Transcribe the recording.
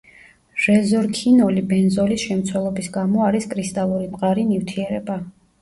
რეზორქინოლი ბენზოლის შემცველობის გამო არის კრისტალური მყარი ნივთიერება.